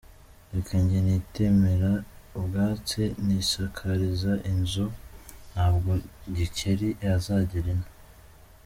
Reka njye nitemera ubwatsi, nisakarize inzu, ntabwo Gikeli azagera ino.